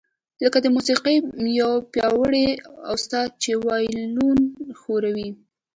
لکه د موسیقۍ یو پیاوړی استاد چې وایلون ښوروي